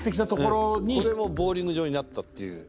これもボウリング場になったっていう。